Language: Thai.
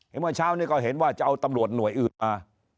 เมื่อเช้านี้ก็เห็นว่าจะเอาตำรวจหน่วยอื่นมา